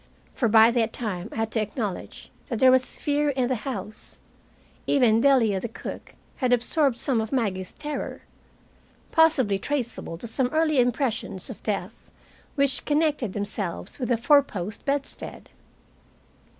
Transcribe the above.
For by that time I had to acknowledge that there was fear in the house. Even Delia, the cook, had absorbed some of Maggie's terror; possibly traceable to some early impressions of death which connected them selves with a four post bedstead.